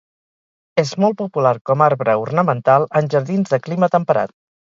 És molt popular com arbre ornamental en jardins de clima temperat.